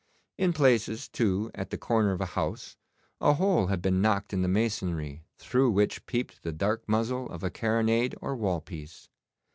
In places, too, at the corner of a house, a hole had been knocked in the masonry through which peeped the dark muzzle of a carronade or wall piece.